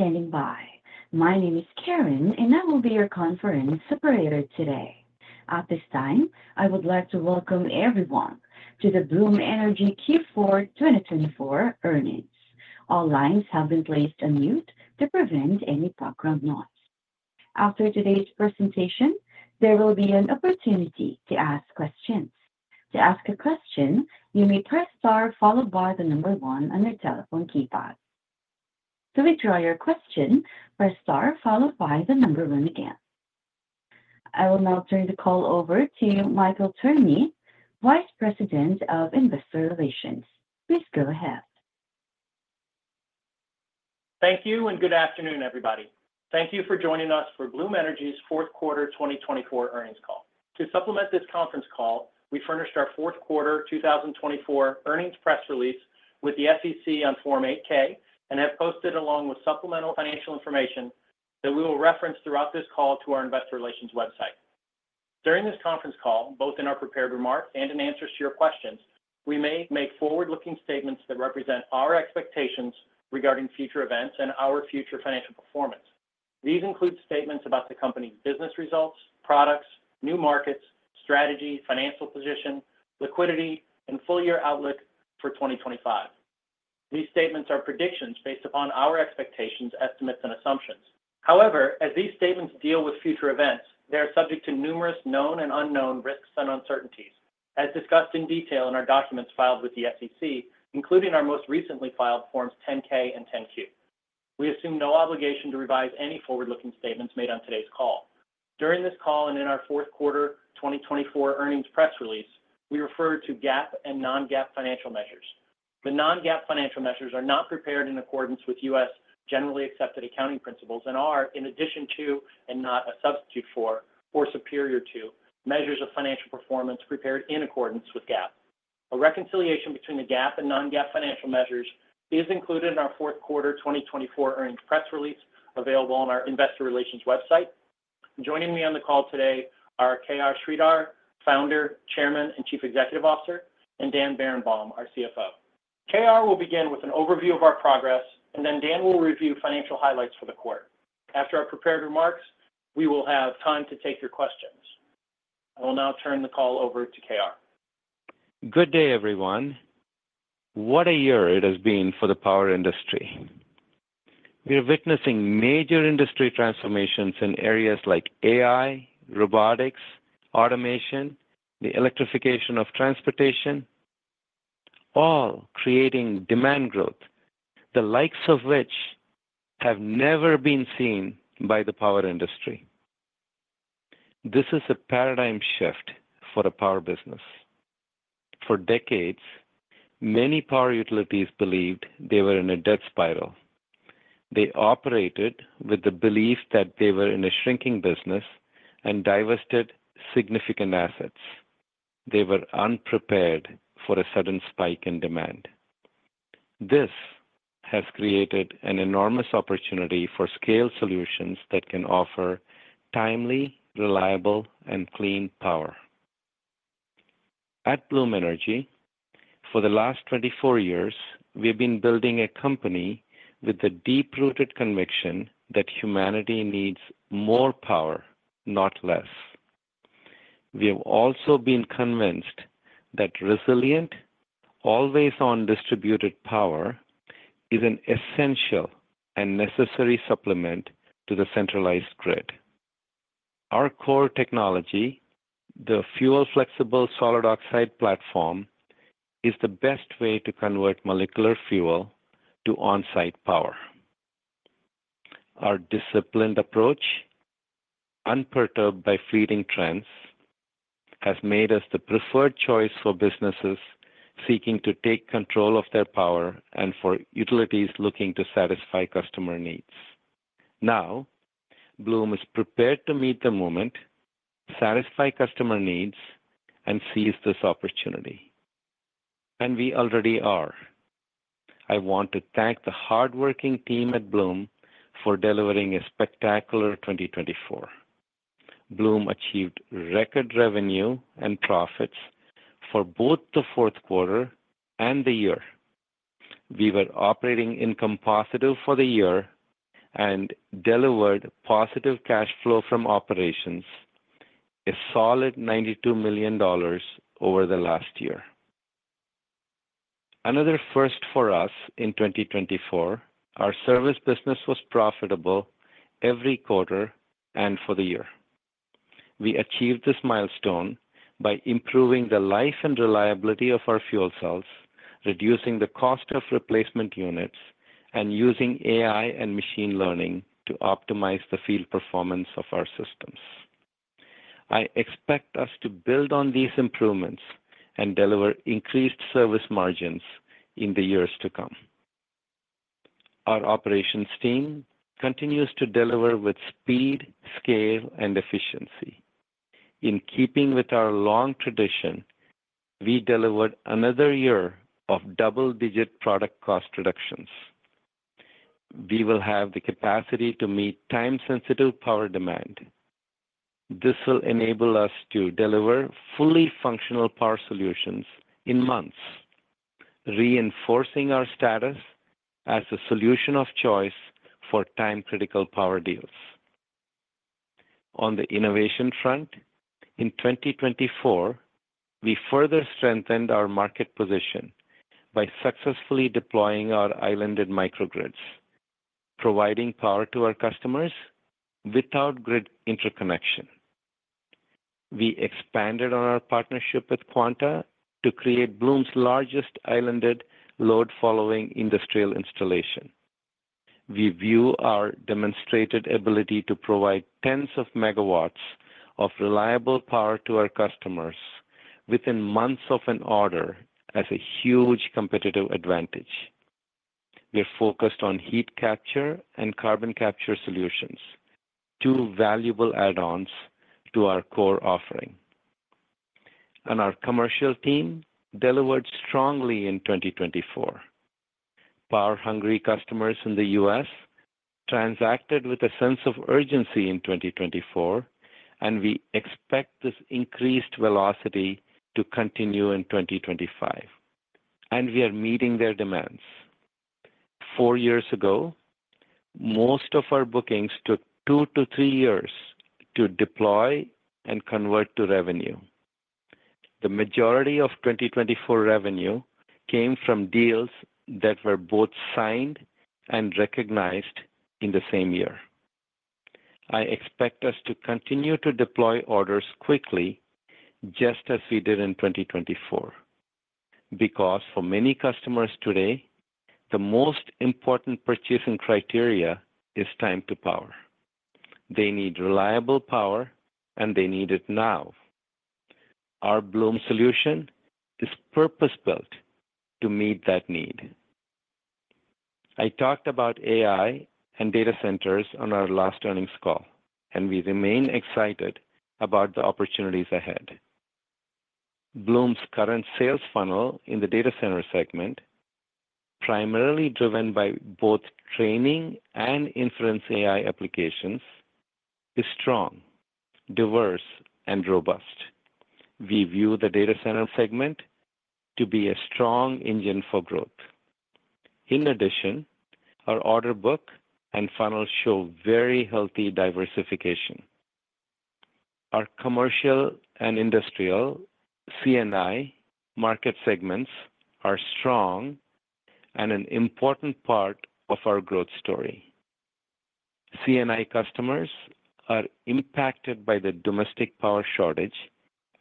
Thank you for standing by. My name is Karen, and I will be your conference operator today. At this time, I would like to welcome everyone to the Bloom Energy Q4 2024 earnings. All lines have been placed on mute to prevent any background noise. After today's presentation, there will be an opportunity to ask questions. To ask a question, you may press star followed by the number one on your telephone keypad. To withdraw your question, press star followed by the number one again. I will now turn the call over to Michael Tierney, Vice President of Investor Relations. Please go ahead. Thank you, and good afternoon, everybody. Thank you for joining us for Bloom Energy's fourth quarter 2024 earnings call. To supplement this conference call, we furnished our fourth quarter 2024 earnings press release with the SEC on Form 8-K and have posted along with supplemental financial information that we will reference throughout this call to our Investor Relations website. During this conference call, both in our prepared remarks and in answers to your questions, we may make forward-looking statements that represent our expectations regarding future events and our future financial performance. These include statements about the company's business results, products, new markets, strategy, financial position, liquidity, and full-year outlook for 2025. These statements are predictions based upon our expectations, estimates, and assumptions. However, as these statements deal with future events, they are subject to numerous known and unknown risks and uncertainties, as discussed in detail in our documents filed with the SEC, including our most recently filed Forms 10-K and 10-Q. We assume no obligation to revise any forward-looking statements made on today's call. During this call and in our fourth quarter 2024 earnings press release, we referred to GAAP and non-GAAP financial measures. The non-GAAP financial measures are not prepared in accordance with U.S. generally accepted accounting principles and are, in addition to, and not a substitute for, or superior to, measures of financial performance prepared in accordance with GAAP. A reconciliation between the GAAP and non-GAAP financial measures is included in our fourth quarter 2024 earnings press release available on our Investor Relations website. Joining me on the call today are K.R. Sridhar, Founder, Chairman, and Chief Executive Officer, and Dan Berenbaum, our CFO. K.R. will begin with an overview of our progress, and then Dan will review financial highlights for the quarter. After our prepared remarks, we will have time to take your questions. I will now turn the call over to K.R. Good day, everyone. What a year it has been for the power industry. We are witnessing major industry transformations in areas like AI, robotics, automation, the electrification of transportation, all creating demand growth, the likes of which have never been seen by the power industry. This is a paradigm shift for a power business. For decades, many power utilities believed they were in a death spiral. They operated with the belief that they were in a shrinking business and divested significant assets. They were unprepared for a sudden spike in demand. This has created an enormous opportunity for scale solutions that can offer timely, reliable, and clean power. At Bloom Energy, for the last 24 years, we have been building a company with the deep-rooted conviction that humanity needs more power, not less. We have also been convinced that resilient, always-on distributed power is an essential and necessary supplement to the centralized grid. Our core technology, the fuel-flexible solid oxide platform, is the best way to convert molecular fuel to on-site power. Our disciplined approach, unperturbed by fleeting trends, has made us the preferred choice for businesses seeking to take control of their power and for utilities looking to satisfy customer needs. Now, Bloom is prepared to meet the moment, satisfy customer needs, and seize this opportunity, and we already are. I want to thank the hardworking team at Bloom for delivering a spectacular 2024. Bloom achieved record revenue and profits for both the fourth quarter and the year. We were operating income positive for the year and delivered positive cash flow from operations, a solid $92 million over the last year. Another first for us in 2024, our service business was profitable every quarter and for the year. We achieved this milestone by improving the life and reliability of our fuel cells, reducing the cost of replacement units, and using AI and machine learning to optimize the field performance of our systems. I expect us to build on these improvements and deliver increased service margins in the years to come. Our operations team continues to deliver with speed, scale, and efficiency. In keeping with our long tradition, we delivered another year of double-digit product cost reductions. We will have the capacity to meet time-sensitive power demand. This will enable us to deliver fully functional power solutions in months, reinforcing our status as the solution of choice for time-critical power deals. On the innovation front, in 2024, we further strengthened our market position by successfully deploying our islanded microgrids, providing power to our customers without grid interconnection. We expanded on our partnership with Quanta to create Bloom's largest islanded load-following industrial installation. We view our demonstrated ability to provide tens of megawatts of reliable power to our customers within months of an order as a huge competitive advantage. We are focused on heat capture and carbon capture solutions, two valuable add-ons to our core offering. And our commercial team delivered strongly in 2024. Power-hungry customers in the U.S. transacted with a sense of urgency in 2024, and we expect this increased velocity to continue in 2025. And we are meeting their demands. Four years ago, most of our bookings took two to three years to deploy and convert to revenue. The majority of 2024 revenue came from deals that were both signed and recognized in the same year. I expect us to continue to deploy orders quickly, just as we did in 2024, because for many customers today, the most important purchasing criteria is time to power. They need reliable power, and they need it now. Our Bloom solution is purpose-built to meet that need. I talked about AI and data centers on our last earnings call, and we remain excited about the opportunities ahead. Bloom's current sales funnel in the data center segment, primarily driven by both training and inference AI applications, is strong, diverse, and robust. We view the data center segment to be a strong engine for growth. In addition, our order book and funnel show very healthy diversification. Our commercial and industrial C&I market segments are strong and an important part of our growth story. C&I customers are impacted by the domestic power shortage,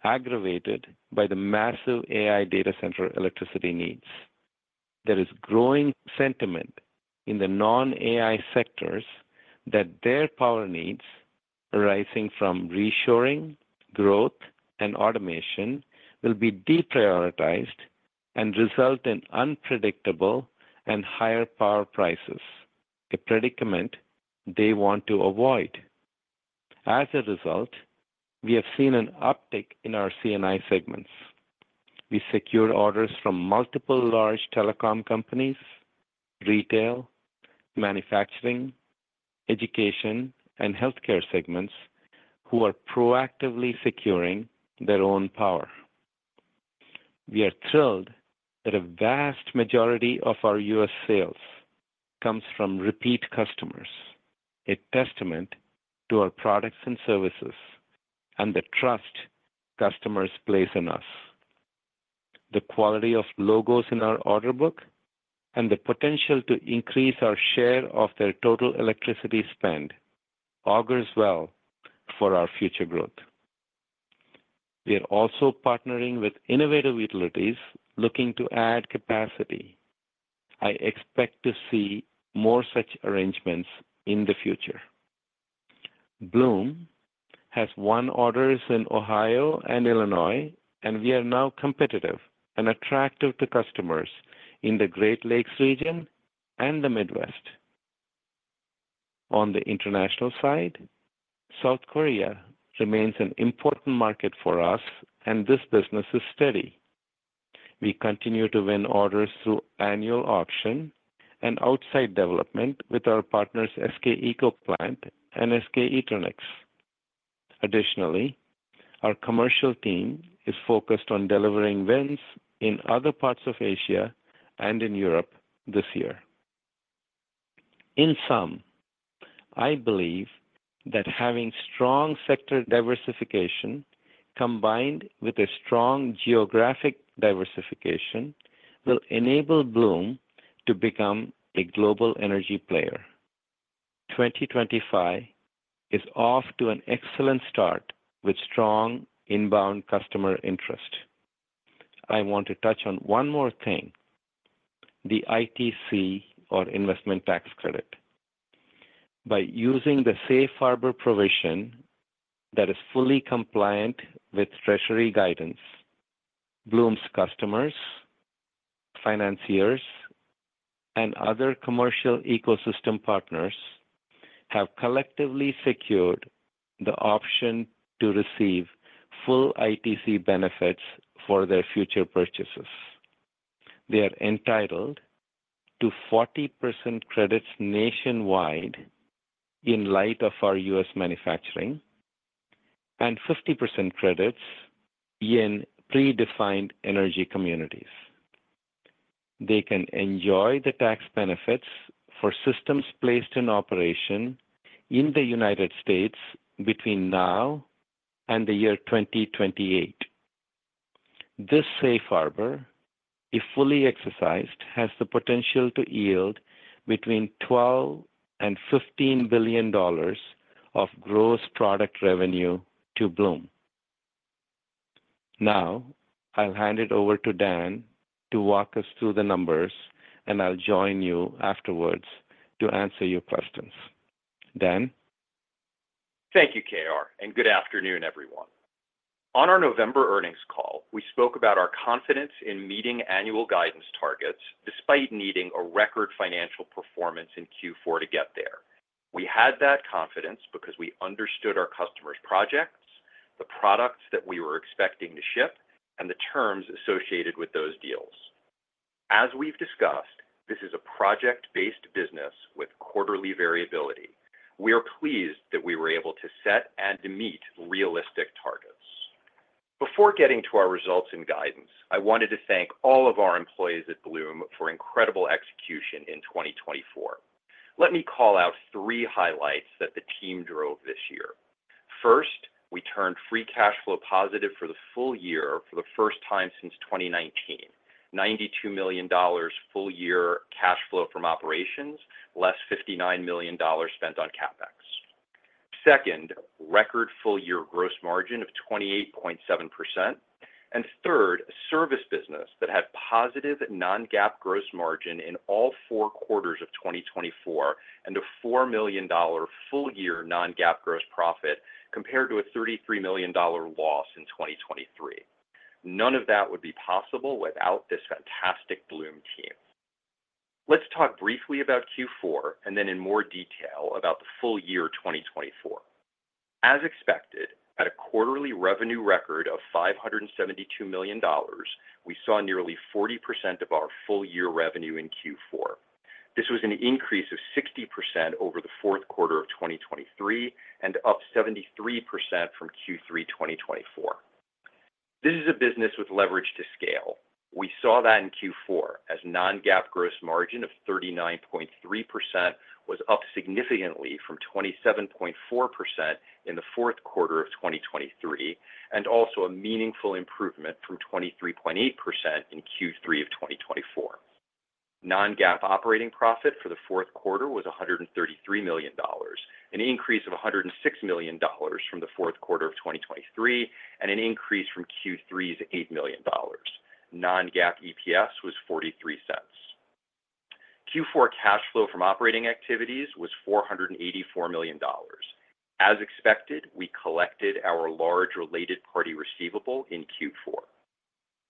aggravated by the massive AI data center electricity needs. There is growing sentiment in the non-AI sectors that their power needs, arising from reshoring, growth, and automation, will be deprioritized and result in unpredictable and higher power prices, a predicament they want to avoid. As a result, we have seen an uptick in our C&I segments. We secure orders from multiple large telecom companies, retail, manufacturing, education, and healthcare segments who are proactively securing their own power. We are thrilled that a vast majority of our U.S. sales comes from repeat customers, a testament to our products and services and the trust customers place in us. The quality of logos in our order book and the potential to increase our share of their total electricity spend augurs well for our future growth. We are also partnering with innovative utilities looking to add capacity. I expect to see more such arrangements in the future. Bloom has one order in Ohio and Illinois, and we are now competitive and attractive to customers in the Great Lakes region and the Midwest. On the international side, South Korea remains an important market for us, and this business is steady. We continue to win orders through annual auction and outside development with our partners, SK EcoPlant and SK Eternix. Additionally, our commercial team is focused on delivering wins in other parts of Asia and in Europe this year. In sum, I believe that having strong sector diversification combined with a strong geographic diversification will enable Bloom to become a global energy player. 2025 is off to an excellent start with strong inbound customer interest. I want to touch on one more thing: the ITC, or Investment Tax Credit. By using the safe harbor provision that is fully compliant with Treasury guidance, Bloom's customers, financiers, and other commercial ecosystem partners have collectively secured the option to receive full ITC benefits for their future purchases. They are entitled to 40% credits nationwide in light of our U.S. manufacturing and 50% credits in predefined energy communities. They can enjoy the tax benefits for systems placed in operation in the United States between now and the year 2028. This safe harbor, if fully exercised, has the potential to yield between $12 and $15 billion of gross product revenue to Bloom. Now, I'll hand it over to Dan to walk us through the numbers, and I'll join you afterwards to answer your questions. Dan? Thank you, K.R., and good afternoon, everyone. On our November earnings call, we spoke about our confidence in meeting annual guidance targets despite needing a record financial performance in Q4 to get there. We had that confidence because we understood our customers' projects, the products that we were expecting to ship, and the terms associated with those deals. As we've discussed, this is a project-based business with quarterly variability. We are pleased that we were able to set and meet realistic targets. Before getting to our results and guidance, I wanted to thank all of our employees at Bloom for incredible execution in 2024. Let me call out three highlights that the team drove this year. First, we turned free cash flow positive for the full year for the first time since 2019: $92 million full-year cash flow from operations, less $59 million spent on CapEx. Second, a record full-year gross margin of 28.7% and third, a service business that had positive non-GAAP gross margin in all four quarters of 2024 and a $4 million full-year non-GAAP gross profit compared to a $33 million loss in 2023. None of that would be possible without this fantastic Bloom team. Let's talk briefly about Q4 and then in more detail about the full year 2024. As expected, a quarterly revenue record of $572 million. We saw nearly 40% of our full-year revenue in Q4. This was an increase of 60% over the fourth quarter of 2023 and up 73% from Q3 2024. This is a business with leverage to scale. We saw that in Q4 as non-GAAP gross margin of 39.3% was up significantly from 27.4% in the fourth quarter of 2023 and also a meaningful improvement from 23.8% in Q3 of 2024. Non-GAAP operating profit for the fourth quarter was $133 million, an increase of $106 million from the fourth quarter of 2023 and an increase from Q3's $8 million. Non-GAAP EPS was $0.43. Q4 cash flow from operating activities was $484 million. As expected, we collected our large related party receivable in Q4.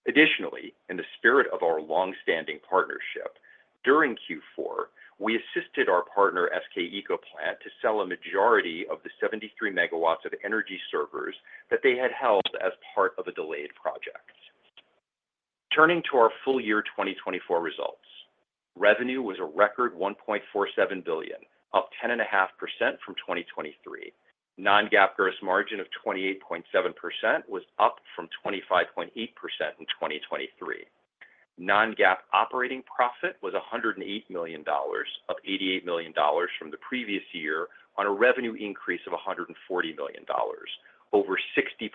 Additionally, in the spirit of our long-standing partnership, during Q4, we assisted our partner, SK EcoPlant, to sell a majority of the 73 megawatts of Energy Servers that they had held as part of a delayed project. Turning to our full year 2024 results, revenue was a record $1.47 billion, up 10.5% from 2023. Non-GAAP gross margin of 28.7% was up from 25.8% in 2023. Non-GAAP operating profit was $108 million, up $88 million from the previous year on a revenue increase of $140 million, over 60%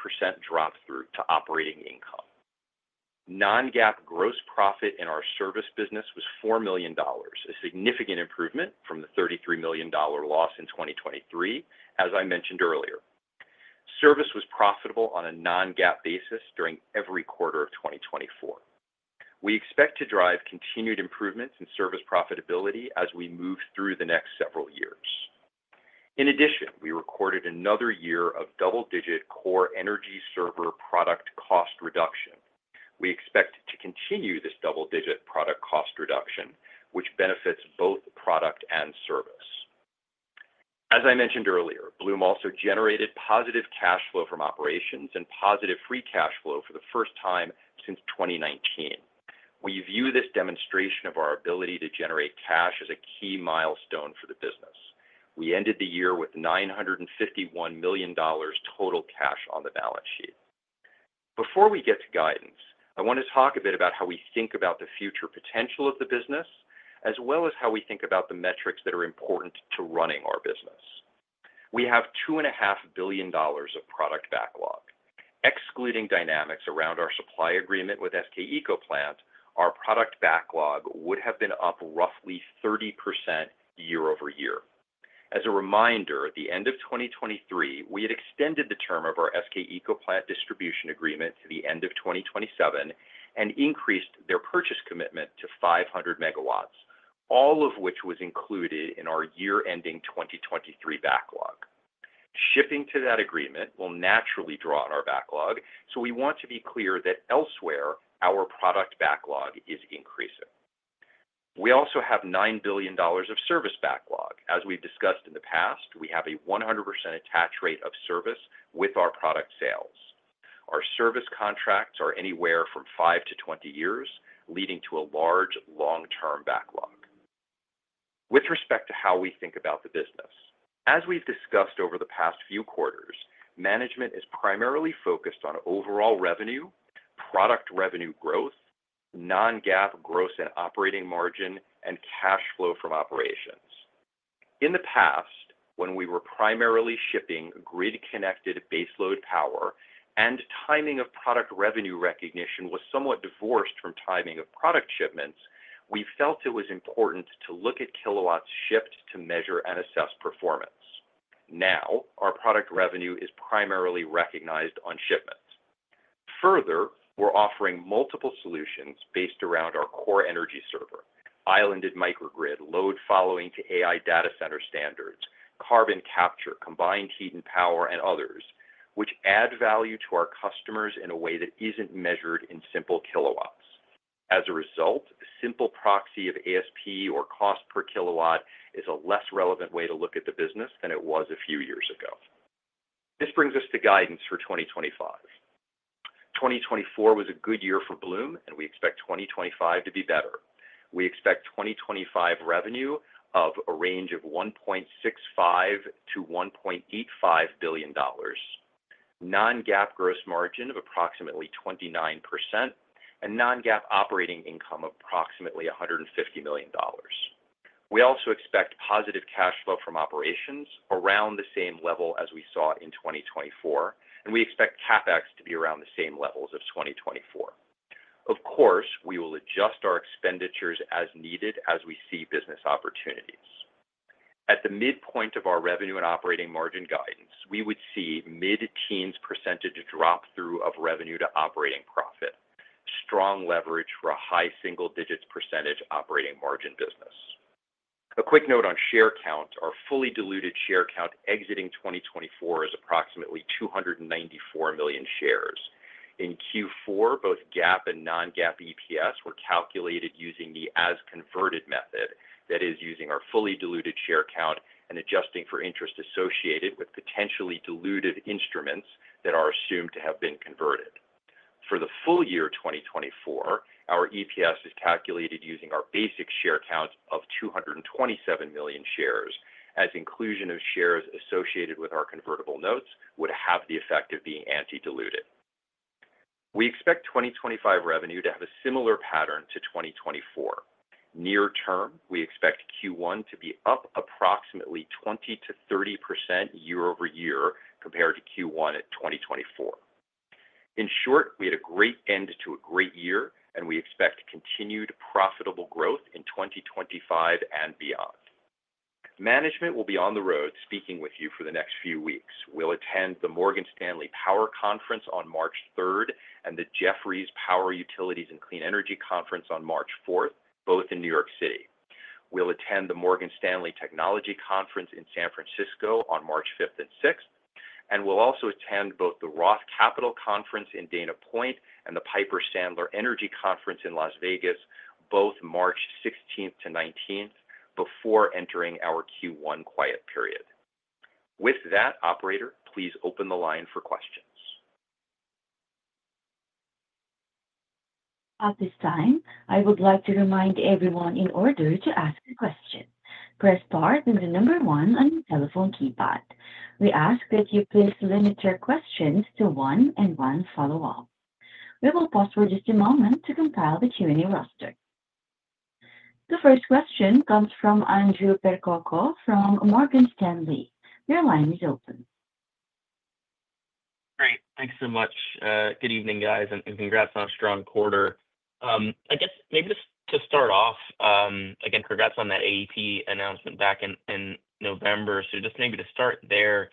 drop through to operating income. Non-GAAP gross profit in our service business was $4 million, a significant improvement from the $33 million loss in 2023, as I mentioned earlier. Service was profitable on a non-GAAP basis during every quarter of 2024. We expect to drive continued improvements in service profitability as we move through the next several years. In addition, we recorded another year of double-digit core Energy Server product cost reduction. We expect to continue this double-digit product cost reduction, which benefits both product and service. As I mentioned earlier, Bloom also generated positive cash flow from operations and positive free cash flow for the first time since 2019. We view this demonstration of our ability to generate cash as a key milestone for the business. We ended the year with $951 million total cash on the balance sheet. Before we get to guidance, I want to talk a bit about how we think about the future potential of the business, as well as how we think about the metrics that are important to running our business. We have $2.5 billion of product backlog. Excluding dynamics around our supply agreement with SK EcoPlant, our product backlog would have been up roughly 30% year over year. As a reminder, at the end of 2023, we had extended the term of our SK EcoPlant distribution agreement to the end of 2027 and increased their purchase commitment to 500 megawatts, all of which was included in our year-ending 2023 backlog. Shipping to that agreement will naturally draw on our backlog, so we want to be clear that elsewhere our product backlog is increasing. We also have $9 billion of service backlog. As we've discussed in the past, we have a 100% attach rate of service with our product sales. Our service contracts are anywhere from five to 20 years, leading to a large long-term backlog. With respect to how we think about the business, as we've discussed over the past few quarters, management is primarily focused on overall revenue, product revenue growth, non-GAAP gross and operating margin, and cash flow from operations. In the past, when we were primarily shipping grid-connected baseload power and timing of product revenue recognition was somewhat divorced from timing of product shipments, we felt it was important to look at kilowatts shipped to measure and assess performance. Now, our product revenue is primarily recognized on shipments. Further, we're offering multiple solutions based around our core Energy Server, islanded microgrid, load following to AI data center standards, carbon capture, combined heat and power, and others, which add value to our customers in a way that isn't measured in simple kilowatts. As a result, a simple proxy of ASP or cost per kilowatt is a less relevant way to look at the business than it was a few years ago. This brings us to guidance for 2025. 2024 was a good year for Bloom, and we expect 2025 to be better. We expect 2025 revenue of a range of $1.65-$1.85 billion, non-GAAP gross margin of approximately 29%, and non-GAAP operating income of approximately $150 million. We also expect positive cash flow from operations around the same level as we saw in 2024, and we expect CapEx to be around the same levels of 2024. Of course, we will adjust our expenditures as needed as we see business opportunities. At the midpoint of our revenue and operating margin guidance, we would see mid-teens % drop through of revenue to operating profit, strong leverage for a high single-digit % operating margin business. A quick note on share count: our fully diluted share count exiting 2024 is approximately 294 million shares. In Q4, both GAAP and non-GAAP EPS were calculated using the as-converted method, that is, using our fully diluted share count and adjusting for interest associated with potentially dilutive instruments that are assumed to have been converted. For the full year 2024, our EPS is calculated using our basic share count of 227 million shares, as inclusion of shares associated with our convertible notes would have the effect of being anti-dilutive. We expect 2025 revenue to have a similar pattern to 2024. Near term, we expect Q1 to be up approximately 20%-30% year-over year compared to Q1 2024. In short, we had a great end to a great year, and we expect continued profitable growth in 2025 and beyond. Management will be on the road speaking with you for the next few weeks. We'll attend the Morgan Stanley Power Conference on March 3rd and the Jefferies Power Utilities and Clean Energy Conference on March 4th, both in New York City. We'll attend the Morgan Stanley Technology Conference in San Francisco on March 5th and 6th, and we'll also attend both the Roth Capital Conference in Dana Point and the Piper Sandler Energy Conference in Las Vegas, both March 16th-19th, before entering our Q1 quiet period. With that, operator, please open the line for questions. At this time, I would like to remind everyone in order to ask a question, press star and the number one on your telephone keypad. We ask that you please limit your questions to one and one follow-up. We will pause for just a moment to compile the Q&A roster. The first question comes from Andrew Percoco from Morgan Stanley. Your line is open. Great. Thanks so much. Good evening, guys, and congrats on a strong quarter. I guess maybe just to start off, again, congrats on that AEP announcement back in November. So just maybe to start there,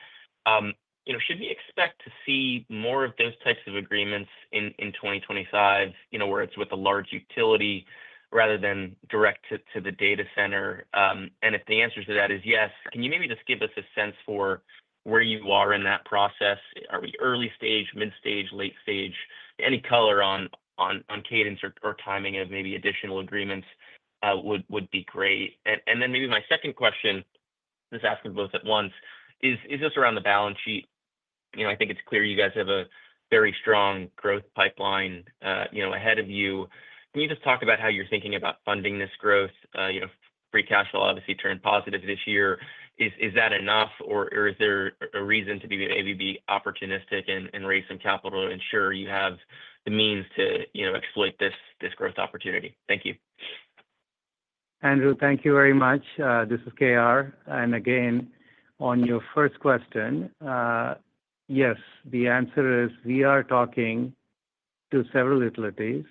should we expect to see more of those types of agreements in 2025, where it's with a large utility rather than direct to the data center? And if the answer to that is yes, can you maybe just give us a sense for where you are in that process? Are we early stage, mid-stage, late stage? Any color on cadence or timing of maybe additional agreements would be great. And then maybe my second question, just asking both at once, is this around the balance sheet? I think it's clear you guys have a very strong growth pipeline ahead of you. Can you just talk about how you're thinking about funding this growth? Free cash flow obviously turned positive this year. Is that enough, or is there a reason to maybe be opportunistic and raise some capital to ensure you have the means to exploit this growth opportunity? Thank you. Andrew, thank you very much. This is K.R. And again, on your first question, yes, the answer is we are talking to several utilities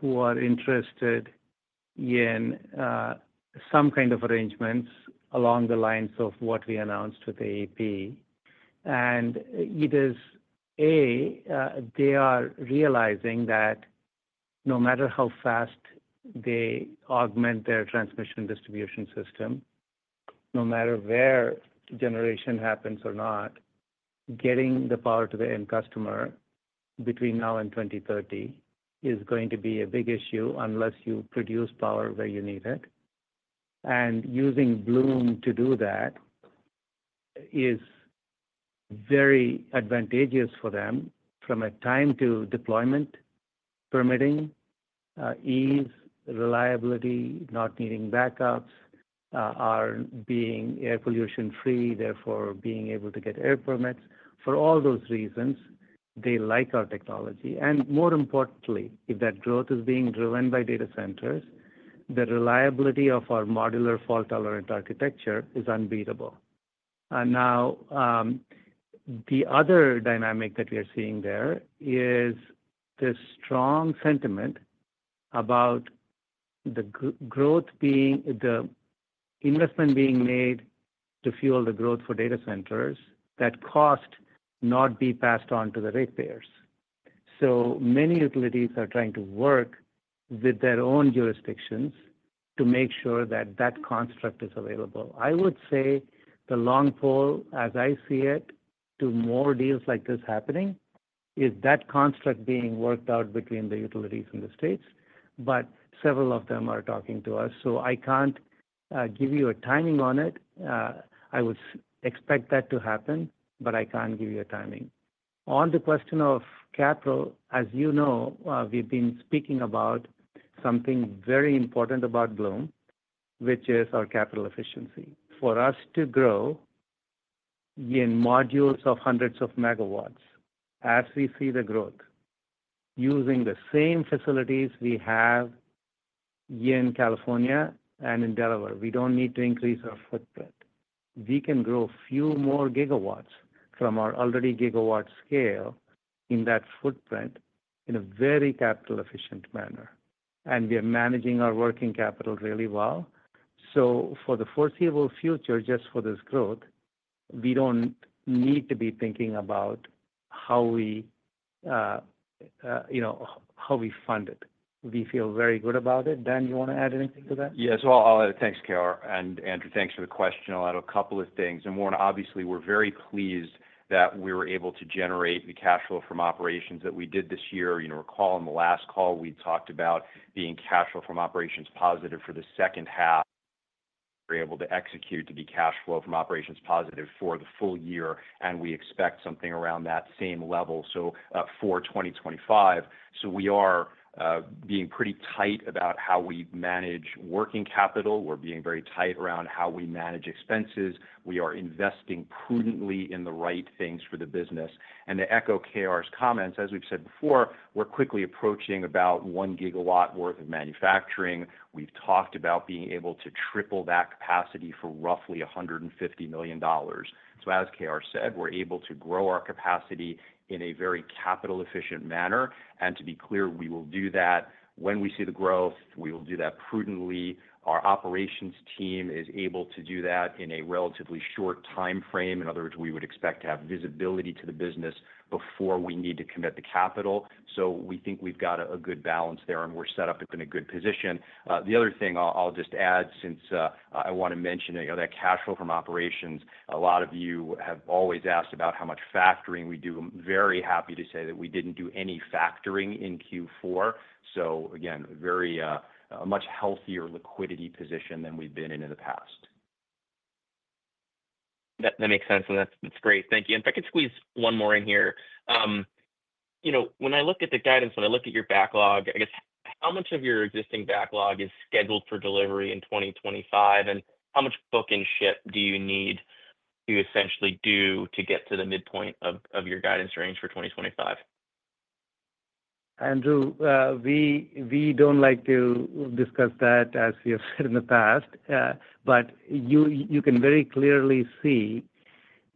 who are interested in some kind of arrangements along the lines of what we announced with AEP. And it is, A, they are realizing that no matter how fast they augment their transmission distribution system, no matter where generation happens or not, getting the power to the end customer between now and 2030 is going to be a big issue unless you produce power where you need it. And using Bloom to do that is very advantageous for them from a time to deployment, permitting, ease, reliability, not needing backups, being air pollution-free, therefore being able to get air permits. For all those reasons, they like our technology. And more importantly, if that growth is being driven by data centers, the reliability of our modular fault-tolerant architecture is unbeatable. Now, the other dynamic that we are seeing there is the strong sentiment about the growth, the investment being made to fuel the growth for data centers that costs not be passed on to the ratepayers. So many utilities are trying to work with their own jurisdictions to make sure that that construct is available. I would say the long pole, as I see it, to more deals like this happening is that construct being worked out between the utilities and the states, but several of them are talking to us. So I can't give you a timing on it. I would expect that to happen, but I can't give you a timing. On the question of capital, as you know, we've been speaking about something very important about Bloom, which is our capital efficiency. For us to grow in modules of hundreds of megawatts, as we see the growth, using the same facilities we have in California and in Delaware, we don't need to increase our footprint. We can grow a few more gigawatts from our already gigawatt scale in that footprint in a very capital-efficient manner. And we are managing our working capital really well. So for the foreseeable future, just for this growth, we don't need to be thinking about how we fund it. We feel very good about it. Dan, you want to add anything to that? Yes. Well, I'll add thanks, K.R. And Andrew, thanks for the question. I'll add a couple of things, and one, obviously, we're very pleased that we were able to generate the cash flow from operations that we did this year. Recall on the last call, we talked about being cash flow from operations positive for the second half, able to execute to be cash flow from operations positive for the full year, and we expect something around that same level for 2025, so we are being pretty tight about how we manage working capital. We're being very tight around how we manage expenses. We are investing prudently in the right things for the business, and to echo K.R.'s comments, as we've said before, we're quickly approaching about one gigawatt worth of manufacturing. We've talked about being able to triple that capacity for roughly $150 million, so as K.R. said, we're able to grow our capacity in a very capital-efficient manner, and to be clear, we will do that. When we see the growth, we will do that prudently. Our operations team is able to do that in a relatively short time frame. In other words, we would expect to have visibility to the business before we need to commit the capital. So we think we've got a good balance there, and we're set up in a good position. The other thing I'll just add, since I want to mention that cash flow from operations, a lot of you have always asked about how much factoring we do. I'm very happy to say that we didn't do any factoring in Q4. So again, a much healthier liquidity position than we've been in the past. That makes sense, and that's great. Thank you. And if I could squeeze one more in here. When I look at the guidance, when I look at your backlog, I guess how much of your existing backlog is scheduled for delivery in 2025, and how much book and ship do you need to essentially do to get to the midpoint of your guidance range for 2025? Andrew, we don't like to discuss that, as we have said in the past, but you can very clearly see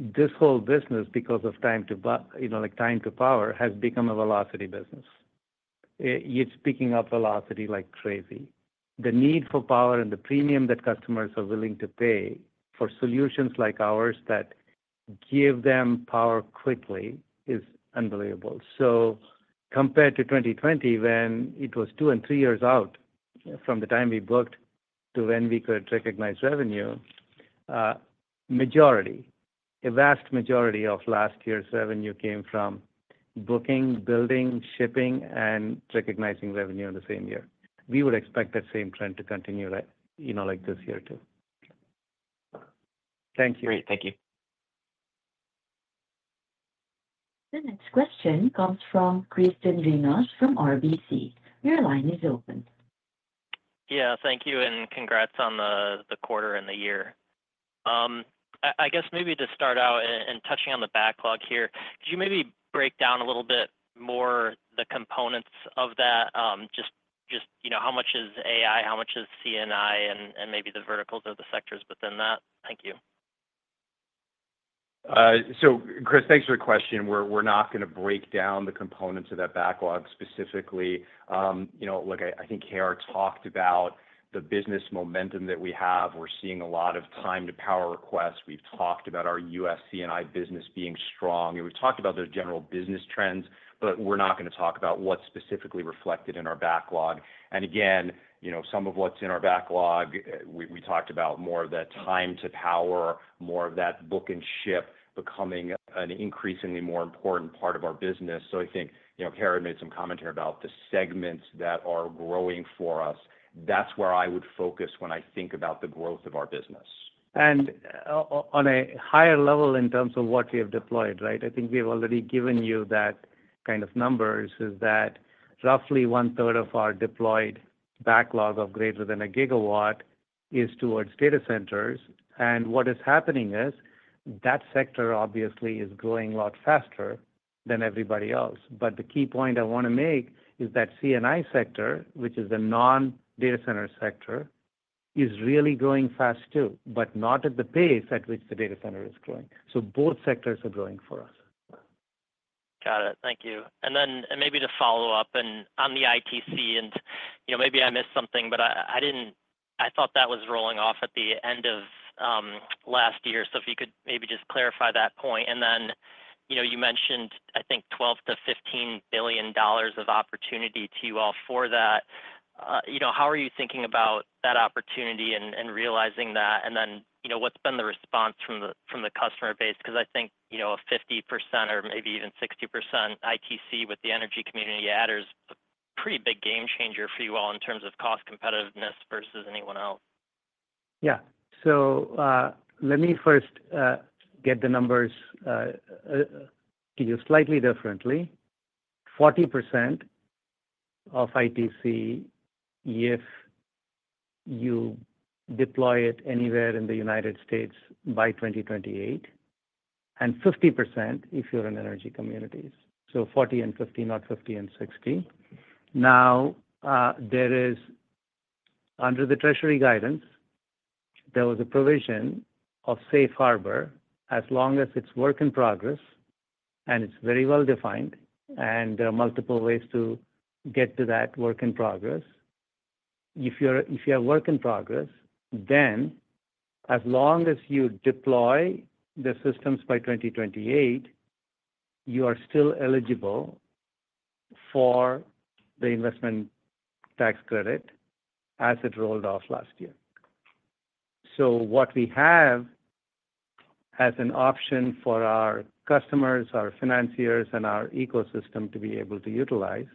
this whole business, because of time to power, has become a velocity business. We're picking up velocity like crazy. The need for power and the premium that customers are willing to pay for solutions like ours that give them power quickly is unbelievable. So compared to 2020, when it was two and three years out from the time we booked to when we could recognize revenue, a vast majority of last year's revenue came from booking, building, shipping, and recognizing revenue in the same year. We would expect that same trend to continue this year too. Thank you. Great. Thank you. The next question comes from Chris Dendrinos from RBC. Your line is open. Yeah. Thank you, and congrats on the quarter and the year. I guess maybe to start out and touching on the backlog here, could you maybe break down a little bit more the components of that? Just how much is AI, how much is C&I, and maybe the verticals of the sectors within that? Thank you. So Chris, thanks for the question. We're not going to break down the components of that backlog specifically. Like I think K.R. talked about the business momentum that we have. We're seeing a lot of time to power requests. We've talked about our U.S. C&I business being strong. We've talked about the general business trends, but we're not going to talk about what's specifically reflected in our backlog. And again, some of what's in our backlog, we talked about more of that time to power, more of that book and ship becoming an increasingly more important part of our business. So I think K.R. made some commentary about the segments that are growing for us. That's where I would focus when I think about the growth of our business. On a higher level in terms of what we have deployed, right, I think we've already given you that kind of numbers. Is that roughly one-third of our deployed backlog of greater than a gigawatt towards data centers? What is happening is that sector obviously is growing a lot faster than everybody else. The key point I want to make is that C&I sector, which is the non-data center sector, is really growing fast too, but not at the pace at which the data center is growing. Both sectors are growing for us. Got it. Thank you. And then maybe to follow up on the ITC, and maybe I missed something, but I thought that was rolling off at the end of last year. So if you could maybe just clarify that point. And then you mentioned, I think, $12-$15 billion of opportunity to you all for that. How are you thinking about that opportunity and realizing that? And then what's been the response from the customer base? Because I think a 50% or maybe even 60% ITC with the energy community add is a pretty big game changer for you all in terms of cost competitiveness versus anyone else. Yeah. So let me first get the numbers to you slightly differently. 40% of ITC if you deploy it anywhere in the United States by 2028, and 50% if you're in energy communities. So 40 and 50, not 50 and 60. Now, under the Treasury guidance, there was a provision of safe harbor as long as it's work in progress, and it's very well defined, and there are multiple ways to get to that work in progress. If you have work in progress, then as long as you deploy the systems by 2028, you are still eligible for the investment tax credit as it rolled off last year. So what we have as an option for our customers, our financiers, and our ecosystem to be able to utilize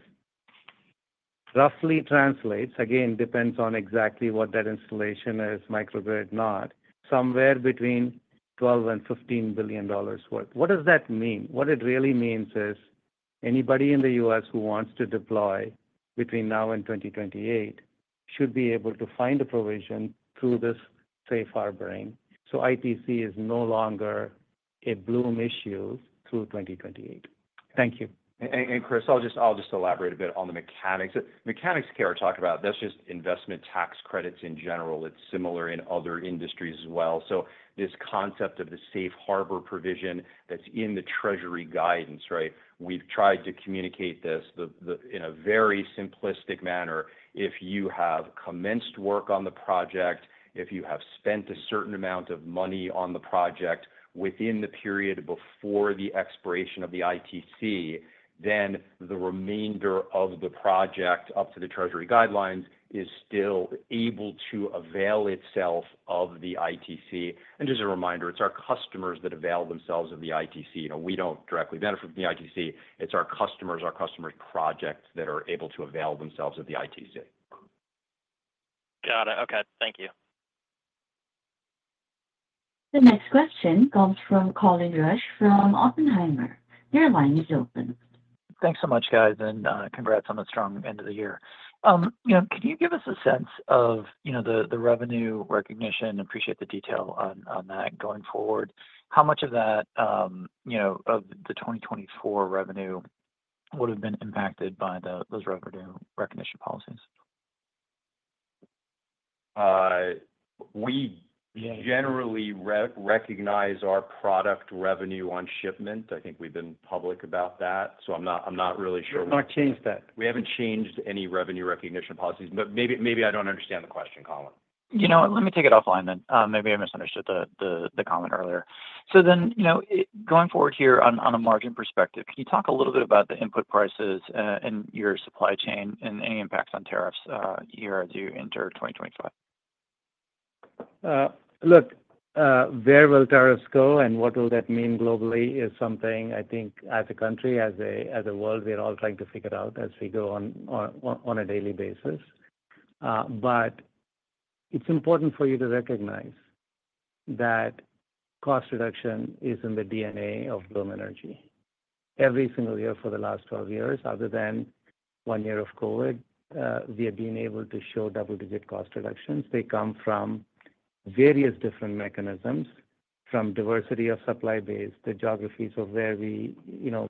roughly translates, again, depends on exactly what that installation is, microgrid, not, somewhere between $12-$15 billion worth. What does that mean? What it really means is anybody in the U.S. who wants to deploy between now and 2028 should be able to find a provision through this safe harbor. So ITC is no longer a Bloom issue through 2028. Thank you. Chris, I'll just elaborate a bit on the mechanics. The mechanics K.R. talked about, that's just investment tax credits in general. It's similar in other industries as well. This concept of the safe harbor provision that's in the Treasury guidance, right, we've tried to communicate this in a very simplistic manner. If you have commenced work on the project, if you have spent a certain amount of money on the project within the period before the expiration of the ITC, then the remainder of the project up to the Treasury guidelines is still able to avail itself of the ITC. Just a reminder, it's our customers that avail themselves of the ITC. We don't directly benefit from the ITC. It's our customers, our customers' projects that are able to avail themselves of the ITC. Got it. Okay. Thank you. The next question comes from Colin Rusch from Oppenheimer. Your line is open. Thanks so much, guys. And congrats on the strong end of the year. Could you give us a sense of the revenue recognition? Appreciate the detail on that going forward. How much of that, of the 2024 revenue would have been impacted by those revenue recognition policies? We generally recognize our product revenue on shipment. I think we've been public about that. So I'm not really sure. We have not changed that. We haven't changed any revenue recognition policies, but maybe I don't understand the question, Colin. You know what? Let me take it offline then. Maybe I misunderstood the comment earlier. So then going forward here on a margin perspective, can you talk a little bit about the input prices and your supply chain and any impacts on tariffs here as you enter 2025? Look, where will tariffs go and what will that mean globally is something I think as a country, as a world, we're all trying to figure out as we go on a daily basis. But it's important for you to recognize that cost reduction is in the DNA of Bloom Energy. Every single year for the last 12 years, other than one year of COVID, we have been able to show double-digit cost reductions. They come from various different mechanisms, from diversity of supply base, the geographies of where we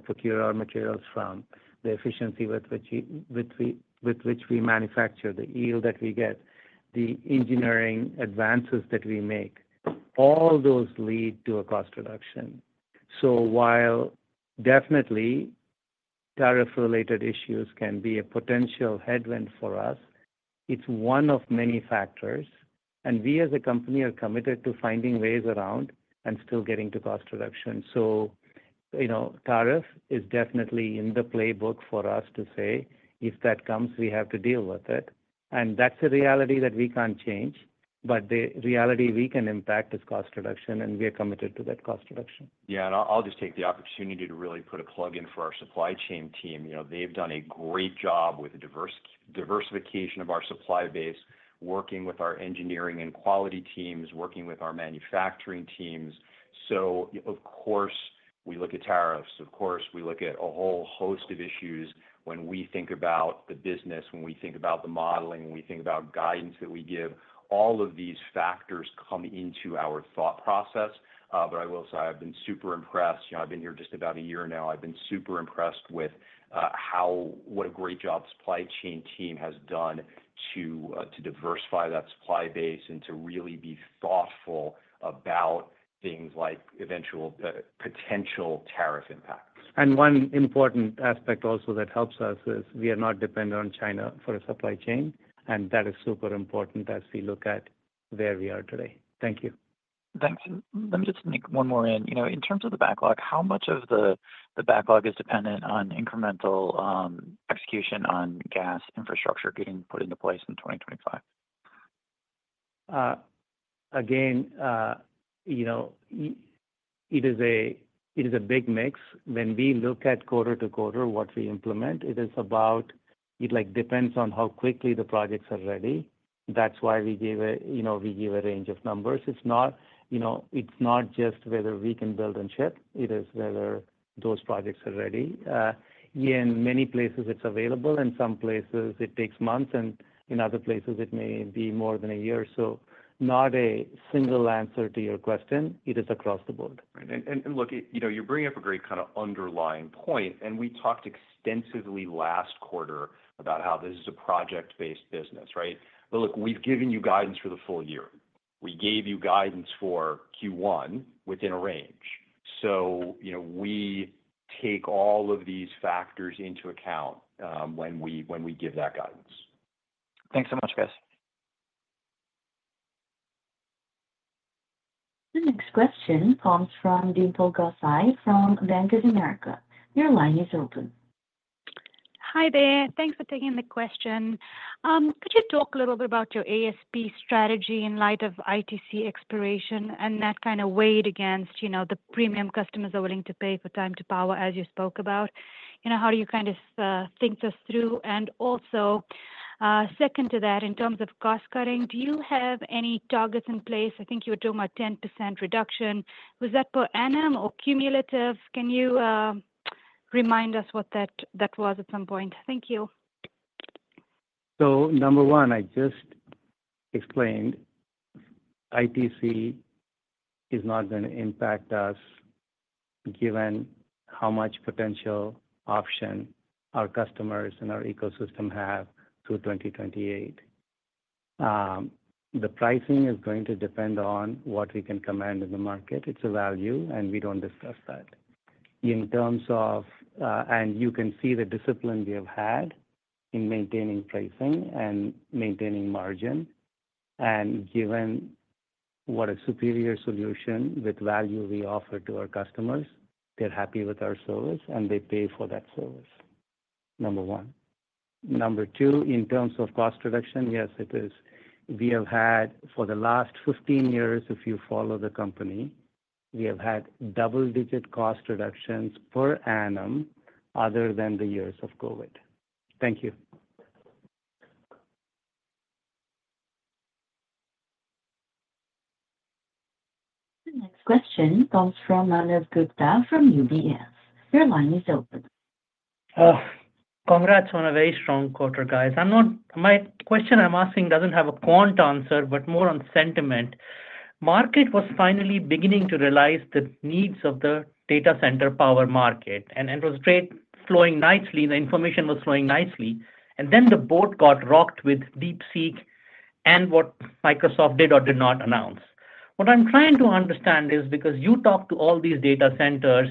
procure our materials from, the efficiency with which we manufacture, the yield that we get, the engineering advances that we make. All those lead to a cost reduction. So while definitely tariff-related issues can be a potential headwind for us, it's one of many factors. And we as a company are committed to finding ways around and still getting to cost reduction. So tariff is definitely in the playbook for us to say, "If that comes, we have to deal with it." And that's a reality that we can't change. But the reality we can impact is cost reduction, and we are committed to that cost reduction. Yeah. And I'll just take the opportunity to really put a plug in for our supply chain team. They've done a great job with the diversification of our supply base, working with our engineering and quality teams, working with our manufacturing teams. So of course, we look at tariffs. Of course, we look at a whole host of issues when we think about the business, when we think about the modeling, when we think about guidance that we give. All of these factors come into our thought process. But I will say I've been super impressed. I've been here just about a year now. I've been super impressed with what a great job the supply chain team has done to diversify that supply base and to really be thoughtful about things like potential tariff impact. One important aspect also that helps us is we are not dependent on China for a supply chain. That is super important as we look at where we are today. Thank you. Thanks. In terms of the backlog, how much of the backlog is dependent on incremental execution on gas infrastructure getting put into place in 2025? Again, it is a big mix. When we look at quarter to quarter what we implement, it is about. It depends on how quickly the projects are ready. That's why we give a range of numbers. It's not just whether we can build and ship. It is whether those projects are ready. In many places, it's available. In some places, it takes months. And in other places, it may be more than a year. So not a single answer to your question. It is across the board. And look, you bring up a great kind of underlying point. And we talked extensively last quarter about how this is a project-based business, right? But look, we've given you guidance for the full year. We gave you guidance for Q1 within a range. So we take all of these factors into account when we give that guidance. Thanks so much, guys. The next question comes from Dimple Gosai from Bank of America. Your line is open. Hi there. Thanks for taking the question. Could you talk a little bit about your ASP strategy in light of ITC expiration and that kind of weighed against the premium customers are willing to pay for time to power, as you spoke about? How do you kind of think this through? And also, second to that, in terms of cost cutting, do you have any targets in place? I think you were talking about 10% reduction. Was that per annum or cumulative? Can you remind us what that was at some point? Thank you. So, number one, I just explained ITC is not going to impact us given how much potential option our customers and our ecosystem have through 2028. The pricing is going to depend on what we can command in the market. It's a value, and we don't discuss that. In terms of, and you can see the discipline we have had in maintaining pricing and maintaining margin. And given what a superior solution with value we offer to our customers, they're happy with our service, and they pay for that service. Number one. Number two, in terms of cost reduction, yes, it is. We have had, for the last 15 years, if you follow the company, we have had double-digit cost reductions per annum other than the years of COVID. Thank you. The next question comes from Manav Gupta from UBS. Your line is open. Congrats on a very strong quarter, guys. My question I'm asking doesn't have a quant answer, but more on sentiment. Market was finally beginning to realize the needs of the data center power market. And it was great flowing nicely. The information was flowing nicely. And then the boat got rocked with DeepSeek and what Microsoft did or did not announce. What I'm trying to understand is because you talked to all these data centers,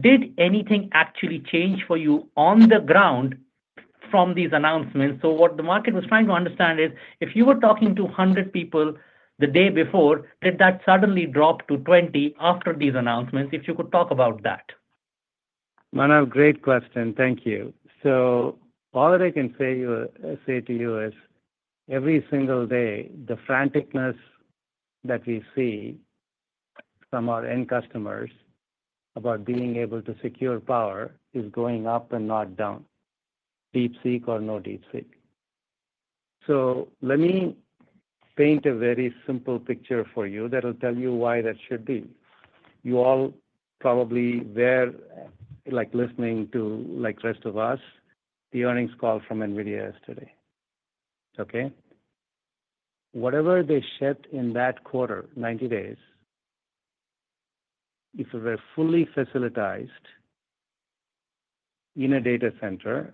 did anything actually change for you on the ground from these announcements? So what the market was trying to understand is if you were talking to 100 people the day before, did that suddenly drop to 20 after these announcements? If you could talk about that. Manav, great question. Thank you. So all that I can say to you is every single day, the franticness that we see from our end customers about being able to secure power is going up and not down, DeepSeek or no DeepSeek. So let me paint a very simple picture for you that will tell you why that should be. You all probably were listening to, like the rest of us, the earnings call from NVIDIA yesterday. Okay? Whatever they shipped in that quarter, 90 days, if it were fully facilitized in a data center,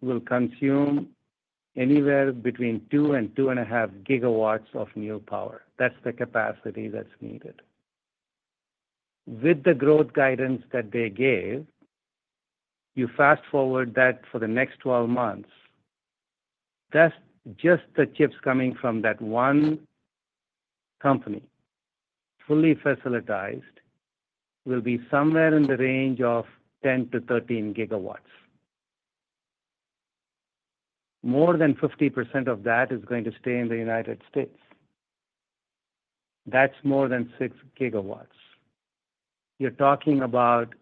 will consume anywhere between 2-2.5 gigawatts of new power. That's the capacity that's needed. With the growth guidance that they gave, you fast forward that for the next 12 months, just the chips coming from that one company, fully facilitized, will be somewhere in the range of 10-13 gigawatts. More than 50% of that is going to stay in the United States. That's more than six gigawatts. You're talking about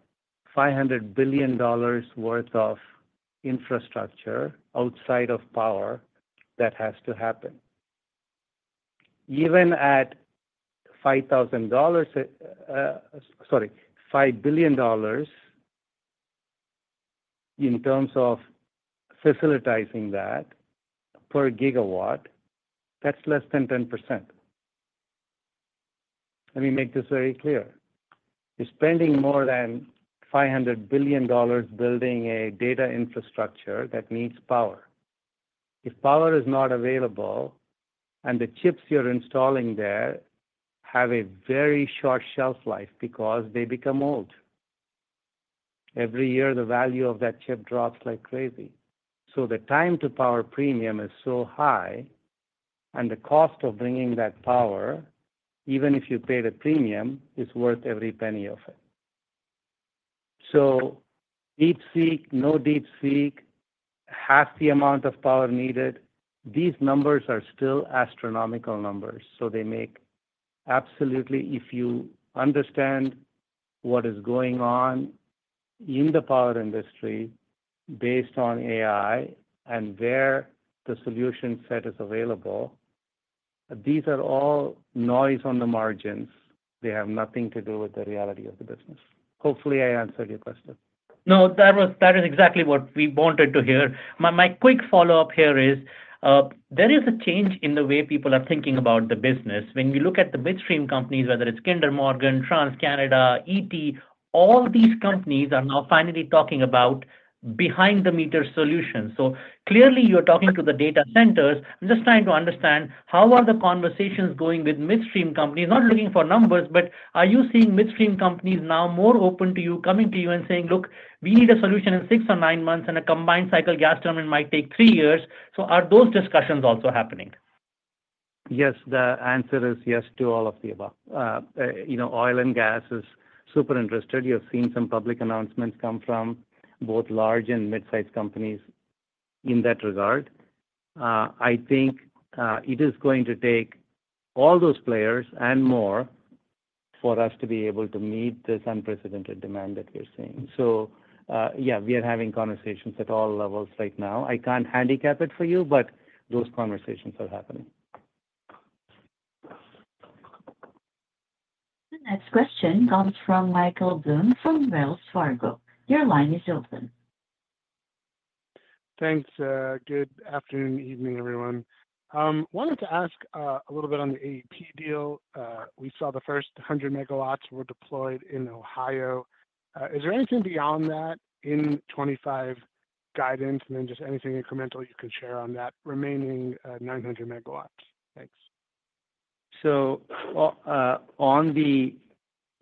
$500 billion worth of infrastructure outside of power that has to happen. Even at $5,000, sorry, $5 billion in terms of facilitating that per gigawatt, that's less than 10%. Let me make this very clear. You're spending more than $500 billion building a data infrastructure that needs power. If power is not available and the chips you're installing there have a very short shelf life because they become old, every year the value of that chip drops like crazy. So the time-to-power premium is so high, and the cost of bringing that power, even if you paid a premium, is worth every penny of it. So DeepSeek, no DeepSeek, half the amount of power needed. These numbers are still astronomical numbers. So they make absolutely if you understand what is going on in the power industry based on AI and where the solution set is available, these are all noise on the margins. They have nothing to do with the reality of the business. Hopefully, I answered your question. No, that is exactly what we wanted to hear. My quick follow-up here is there is a change in the way people are thinking about the business. When we look at the midstream companies, whether it's Kinder Morgan, TransCanada, ET, all these companies are now finally talking about behind-the-meter solutions. So clearly, you're talking to the data centers. I'm just trying to understand how are the conversations going with midstream companies? Not looking for numbers, but are you seeing midstream companies now more open to you, coming to you and saying, "Look, we need a solution in six or nine months, and a combined cycle gas turbine might take three years"? So are those discussions also happening? Yes. The answer is yes to all of the above. Oil and gas is super interested. You have seen some public announcements come from both large and mid-sized companies in that regard. I think it is going to take all those players and more for us to be able to meet this unprecedented demand that we're seeing. So yeah, we are having conversations at all levels right now. I can't handicap it for you, but those conversations are happening. The next question comes from Michael Blum from Wells Fargo. Your line is open. Thanks. Good afternoon and evening, everyone. I wanted to ask a little bit on the AEP deal. We saw the first 100 megawatts were deployed in Ohio. Is there anything beyond that in 25 guidance and then just anything incremental you can share on that remaining 900 megawatts? Thanks. So, on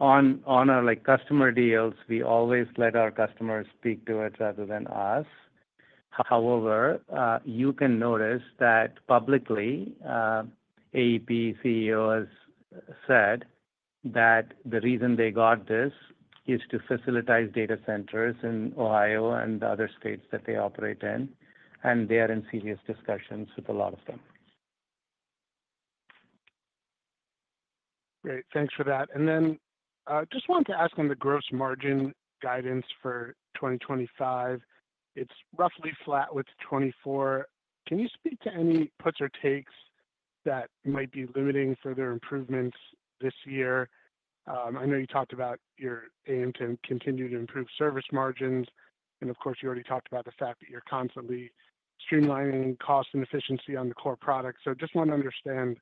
our customer deals, we always let our customers speak to it rather than us. However, you can notice that publicly, AEP CEO has said that the reason they got this is to facilitate data centers in Ohio and other states that they operate in. And they are in serious discussions with a lot of them. Great. Thanks for that. And then just wanted to ask on the gross margin guidance for 2025. It's roughly flat with 2024. Can you speak to any puts or takes that might be limiting further improvements this year? I know you talked about your aim to continue to improve service margins. And of course, you already talked about the fact that you're constantly streamlining cost and efficiency on the core product. So just want to understand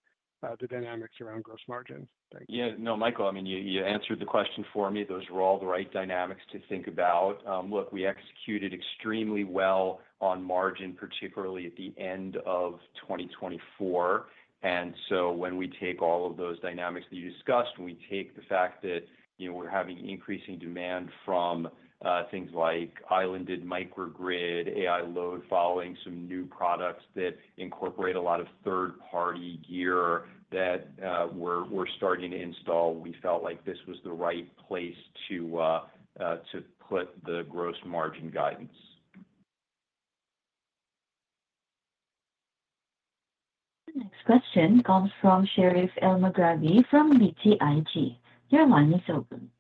the dynamics around gross margins. Thanks. Yeah. No, Michael, I mean, you answered the question for me. Those were all the right dynamics to think about. Look, we executed extremely well on margin, particularly at the end of 2024. And so when we take all of those dynamics that you discussed, we take the fact that we're having increasing demand from things like islanded microgrid, AI load following some new products that incorporate a lot of third-party gear that we're starting to install. We felt like this was the right place to put the gross margin guidance. The next question comes from Sherif Elmaghrabi from BTIG. Your line is open.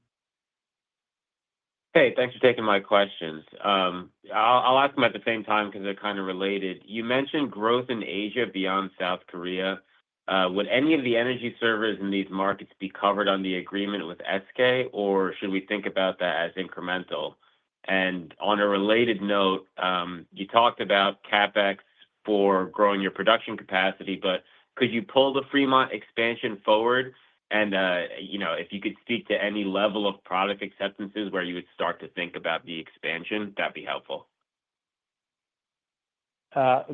Hey, thanks for taking my questions. I'll ask them at the same time because they're kind of related. You mentioned growth in Asia beyond South Korea. Would any of the energy servers in these markets be covered on the agreement with SK, or should we think about that as incremental? And on a related note, you talked about CapEx for growing your production capacity, but could you pull the Fremont expansion forward? And if you could speak to any level of product acceptances where you would start to think about the expansion, that'd be helpful.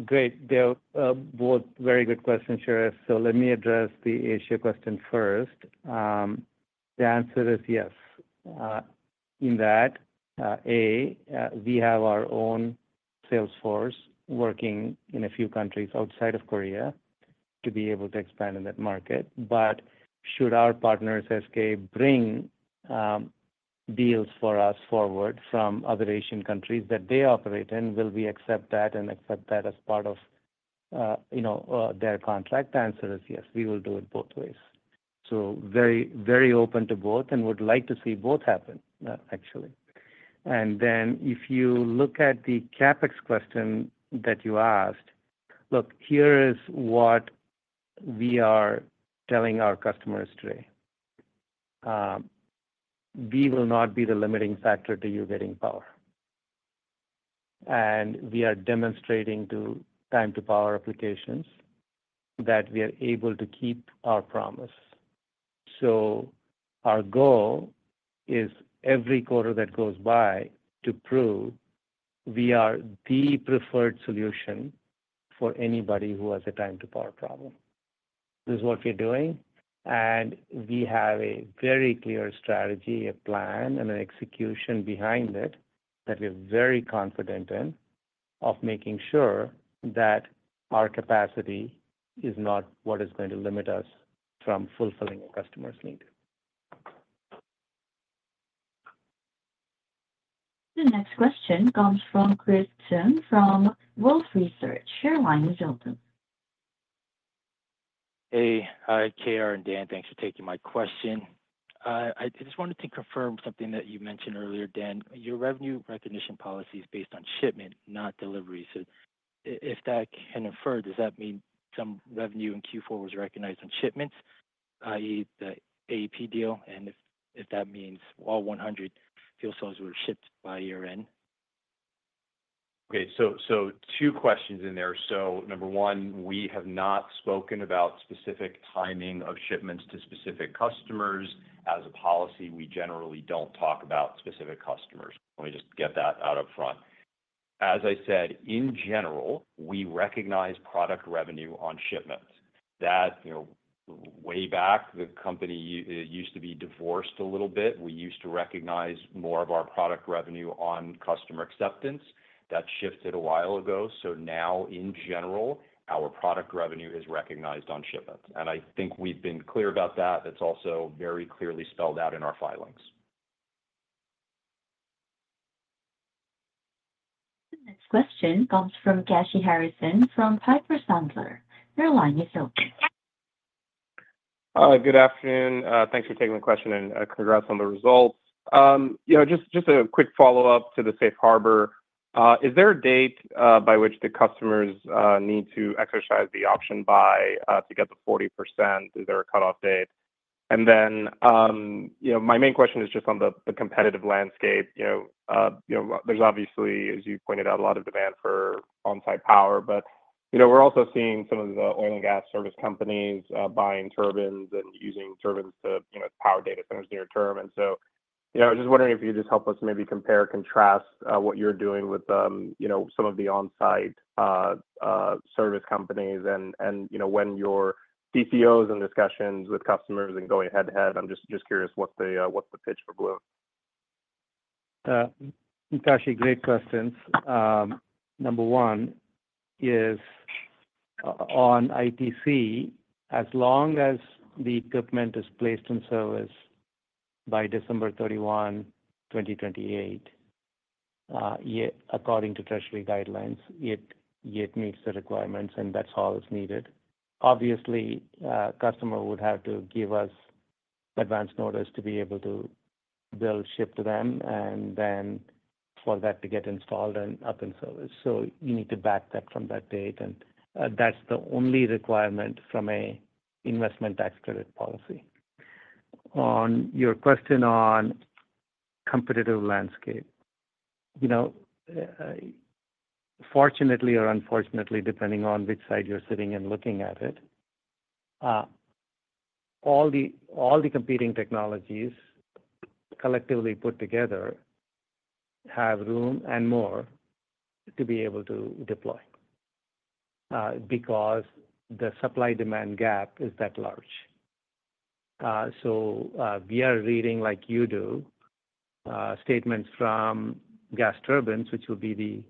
Great. They're both very good questions, Sherif. So let me address the Asia question first. The answer is yes in that, A, we have our own sales force working in a few countries outside of Korea to be able to expand in that market. But should our partners, SK, bring deals for us forward from other Asian countries that they operate in, will we accept that and accept that as part of their contract? The answer is yes. We will do it both ways. So very open to both and would like to see both happen, actually. And then if you look at the CapEx question that you asked, look, here is what we are telling our customers today. We will not be the limiting factor to you getting power. And we are demonstrating to time-to-power applications that we are able to keep our promise. So our goal is every quarter that goes by to prove we are the preferred solution for anybody who has a time-to-power problem. This is what we're doing. And we have a very clear strategy, a plan, and an execution behind it that we're very confident in of making sure that our capacity is not what is going to limit us from fulfilling a customer's need. The next question comes from Chris Chen from Wolfe Research. Your line is open. Hey, K.R. and Dan, thanks for taking my question. I just wanted to confirm something that you mentioned earlier, Dan. Your revenue recognition policy is based on shipment, not delivery. So, if that can be inferred, does that mean some revenue in Q4 was recognized on shipments, i.e., the AEP deal? And if that means all 100 fuel cells were shipped by year-end? Okay. So two questions in there. So number one, we have not spoken about specific timing of shipments to specific customers. As a policy, we generally don't talk about specific customers. Let me just get that out up front. As I said, in general, we recognize product revenue on shipments. That way back, the company used to be divorced a little bit. We used to recognize more of our product revenue on customer acceptance. That shifted a while ago. So now, in general, our product revenue is recognized on shipments. And I think we've been clear about that. That's also very clearly spelled out in our filings. The next question comes from Kashy Harrison from Piper Sandler. Your line is open. Good afternoon. Thanks for taking the question and congrats on the results. Just a quick follow-up to the Safe Harbor. Is there a date by which the customers need to exercise the option buy to get the 40%? Is there a cutoff date? And then my main question is just on the competitive landscape. There's obviously, as you pointed out, a lot of demand for on-site power, but we're also seeing some of the oil and gas service companies buying turbines and using turbines to power data centers near term. And so I was just wondering if you could just help us maybe compare and contrast what you're doing with some of the on-site service companies and when your TCOs and discussions with customers and going head-to-head. I'm just curious what's the pitch for Bloom. Kashy, great questions. Number one is on ITC, as long as the equipment is placed in service by December 31, 2028, according to Treasury guidelines, it meets the requirements, and that's all that's needed. Obviously, customer would have to give us advance notice to be able to build, ship to them, and then for that to get installed and up in service. So you need to back that from that date. And that's the only requirement from an investment tax credit policy. On your question on competitive landscape, fortunately or unfortunately, depending on which side you're sitting and looking at it, all the competing technologies collectively put together have room and more to be able to deploy because the supply-demand gap is that large. So we are reading, like you do, statements from gas turbines, which will be the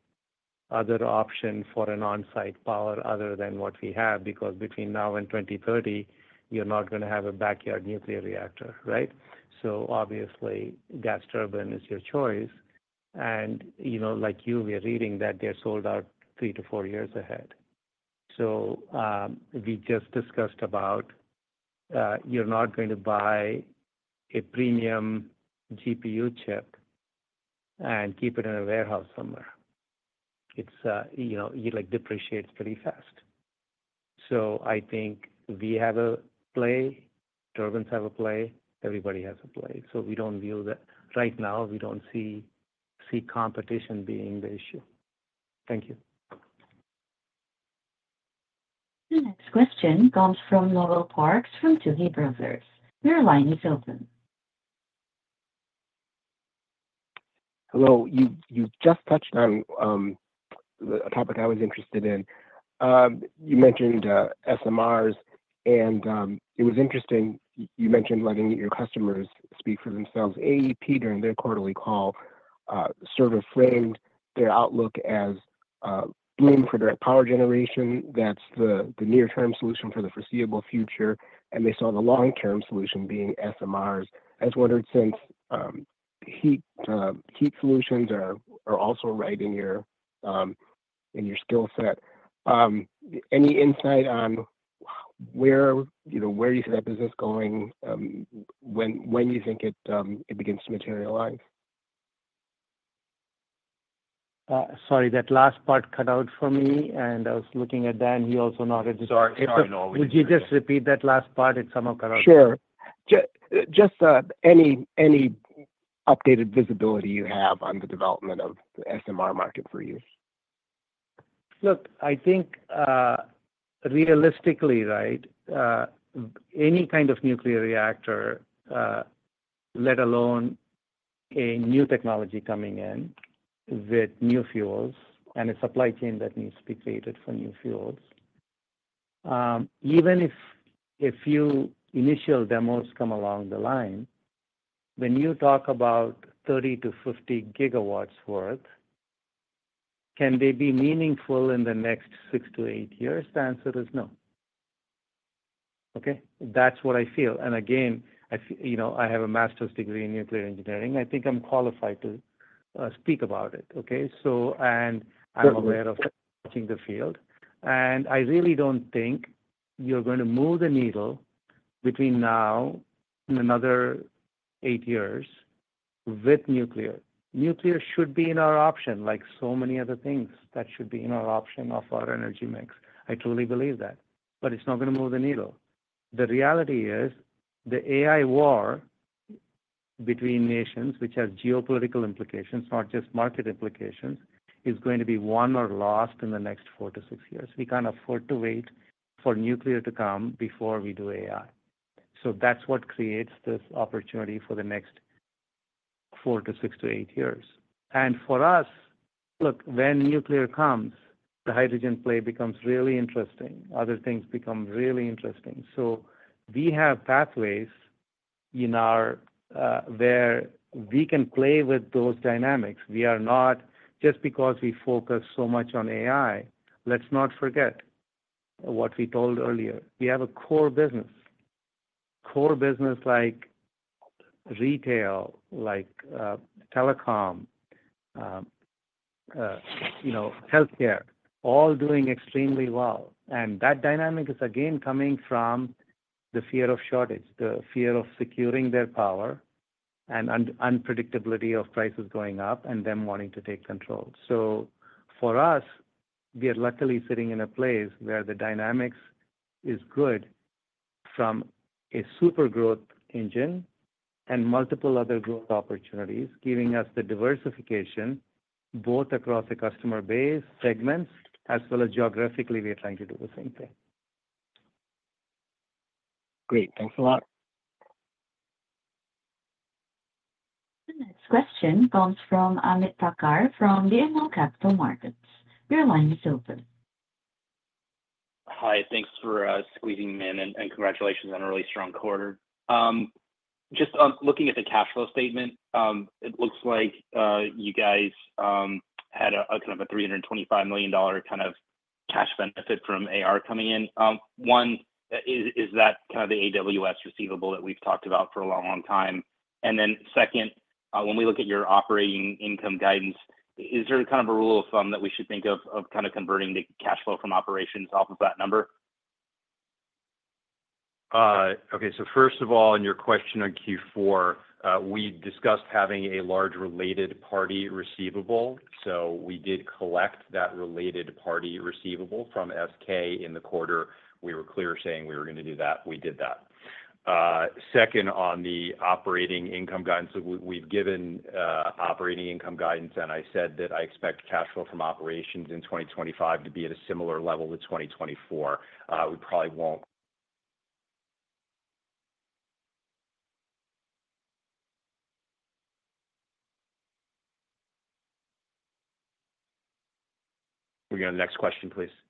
other option for an on-site power other than what we have because between now and 2030, you're not going to have a backyard nuclear reactor, right? So obviously, gas turbine is your choice. And like you, we are reading that they're sold out three-to-four years ahead. So we just discussed about you're not going to buy a premium GPU chip and keep it in a warehouse somewhere. It depreciates pretty fast. So I think we have a play. Turbines have a play. Everybody has a play. So we don't view that right now. We don't see competition being the issue. Thank y ou. The next question comes from Noel Parks from Tudor, Pickering, Holt & Co. Your line is open. Hello. You just touched on a topic I was interested in. You mentioned SMRs, and it was interesting. You mentioned letting your customers speak for themselves. AEP, during their quarterly call, sort of framed their outlook as Bloom for direct power generation. That's the near-term solution for the foreseeable future, and they saw the long-term solution being SMRs. I wondered since heat solutions are also right in your skill set. Any insight on where you see that business going when you think it begins to materialize? Sorry, that last part cut out for me. And I was looking at Dan. He also nodded. Sorry. Sorry. No worries. Would you just repeat that last part? It somehow cut out. Sure. Just any updated visibility you have on the development of the SMR market for you? Look, I think realistically, right, any kind of nuclear reactor, let alone a new technology coming in with new fuels and a supply chain that needs to be created for new fuels, even if a few initial demos come along the line, when you talk about 30-50 gigawatts worth, can they be meaningful in the next 6-8 years? The answer is no. Okay? That's what I feel. And again, I have a master's degree in nuclear engineering. I think I'm qualified to speak about it, okay? And I'm aware of touching the field. And I really don't think you're going to move the needle between now and another 8 years with nuclear. Nuclear should be in our option, like so many other things that should be in our option of our energy mix. I truly believe that. But it's not going to move the needle. The reality is the AI war between nations, which has geopolitical implications, not just market implications, is going to be won or lost in the next four to six years. We can't afford to wait for nuclear to come before we do AI. So that's what creates this opportunity for the next four to six to eight years. And for us, look, when nuclear comes, the hydrogen play becomes really interesting. Other things become really interesting. So we have pathways where we can play with those dynamics. Just because we focus so much on AI, let's not forget what we told earlier. We have a core business, core business like retail, like telecom, healthcare, all doing extremely well. And that dynamic is again coming from the fear of shortage, the fear of securing their power, and unpredictability of prices going up and them wanting to take control. So for us, we are luckily sitting in a place where the dynamics is good from a super growth engine and multiple other growth opportunities, giving us the diversification both across the customer base segments, as well as geographically. We're trying to do the same thing. Great. Thanks a lot. The next question comes from Ameet Thakkar from BMO Capital Markets. Your line is open. Hi. Thanks for squeezing in and congratulations on a really strong quarter. Just looking at the cash flow statement, it looks like you guys had kind of a $325 million kind of cash benefit from AR coming in. One, is that kind of the AWS receivable that we've talked about for a long, long time? And then second, when we look at your operating income guidance, is there kind of a rule of thumb that we should think of kind of converting the cash flow from operations off of that number? Okay. So first of all, in your question on Q4, we discussed having a large related party receivable. So we did collect that related party receivable from SK in the quarter. We were clear saying we were going to do that. We did that. Second, on the operating income guidance, we've given operating income guidance. And I said that I expect cash flow from operations in 2025 to be at a similar level to 2024. We probably won't. We're going to the next question, please. The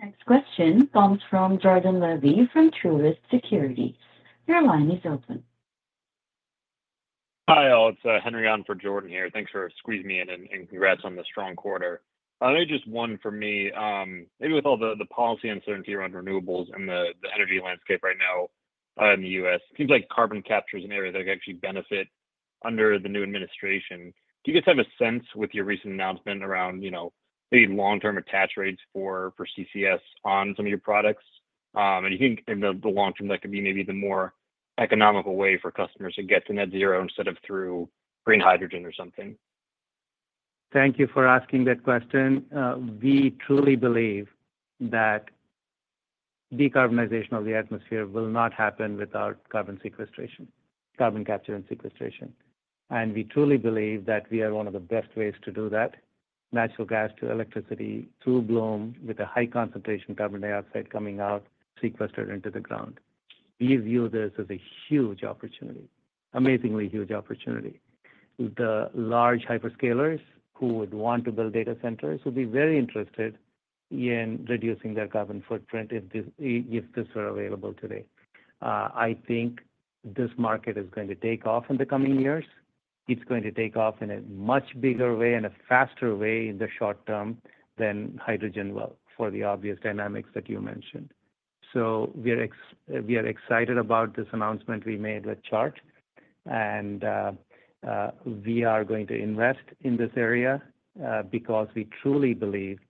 next question comes from Jordan Levy from Truist Securities. Your line is open. Hi. It's Henry on for Jordan here. Thanks for squeezing me in, and congrats on the strong quarter. Maybe just one for me. Maybe with all the policy uncertainty around renewables and the energy landscape right now in the U.S., it seems like carbon capture is an area that could actually benefit under the new administration. Do you guys have a sense with your recent announcement around maybe long-term attach rates for CCS on some of your products, and you think in the long term, that could be maybe the more economical way for customers to get to net zero instead of through green hydrogen or something? Thank you for asking that question. We truly believe that decarbonization of the atmosphere will not happen without carbon sequestration, carbon capture and sequestration. And we truly believe that we are one of the best ways to do that: natural gas to electricity through Bloom with a high concentration of carbon dioxide coming out, sequestered into the ground. We view this as a huge opportunity, amazingly huge opportunity. The large hyperscalers who would want to build data centers would be very interested in reducing their carbon footprint if this were available today. I think this market is going to take off in the coming years. It's going to take off in a much bigger way and a faster way in the short term than hydrogen will for the obvious dynamics that you mentioned. So we are excited about this announcement we made with Chart. We are going to invest in this area because we truly believe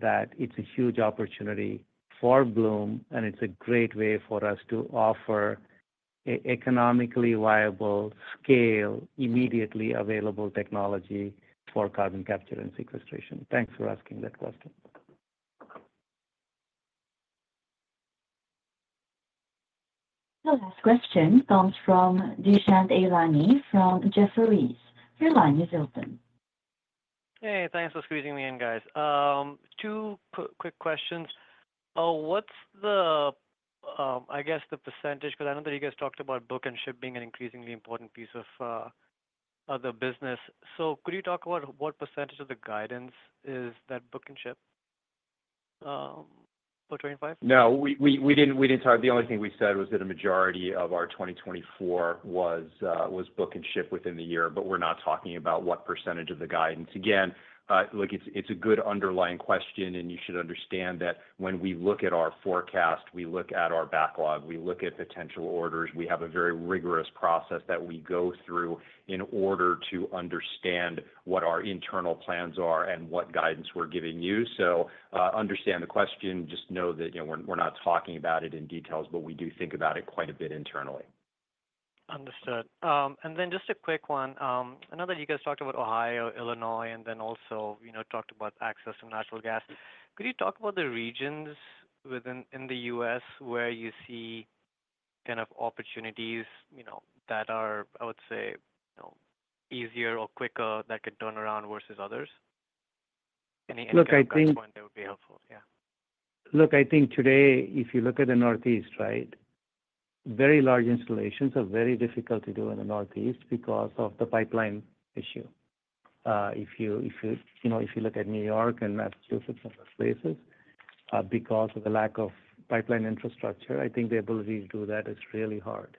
that it's a huge opportunity for Bloom, and it's a great way for us to offer an economically viable, scale, immediately available technology for carbon capture and sequestration. Thanks for asking that question. The last question comes from Dushyant Ailani from Jefferies. Your line is open. Hey. Thanks for squeezing me in, guys. Two quick questions. What's the percentage, I guess? Because I know that you guys talked about book and ship being an increasingly important piece of the business. So could you talk about what percentage of the guidance is that book and ship for 2025? No. We didn't talk. The only thing we said was that a majority of our 2024 was book and ship within the year, but we're not talking about what percentage of the guidance. Again, it's a good underlying question, and you should understand that when we look at our forecast, we look at our backlog. We look at potential orders. We have a very rigorous process that we go through in order to understand what our internal plans are and what guidance we're giving you. So understand the question. Just know that we're not talking about it in details, but we do think about it quite a bit internally. Understood. And then just a quick one. I know that you guys talked about Ohio, Illinois, and then also talked about access to natural gas. Could you talk about the regions in the U.S. where you see kind of opportunities that are, I would say, easier or quicker that could turn around versus others? Any kind of data point that would be helpful? Yeah. Look, I think today, if you look at the Northeast, right, very large installations are very difficult to do in the Northeast because of the pipeline issue. If you look at New York and Massachusetts and those places, because of the lack of pipeline infrastructure, I think the ability to do that is really hard.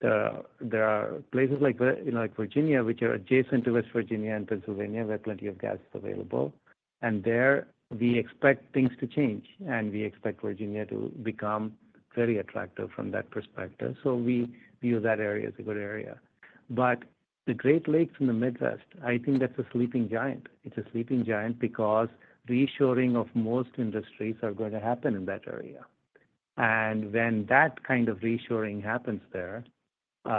There are places like Virginia, which are adjacent to West Virginia and Pennsylvania, where plenty of gas is available, and there we expect things to change, and we expect Virginia to become very attractive from that perspective, so we view that area as a good area, but the Great Lakes in the Midwest, I think that's a sleeping giant. It's a sleeping giant because reshoring of most industries is going to happen in that area, and when that kind of reshoring happens there, those